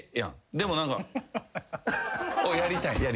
でも何か。をやりたいんや？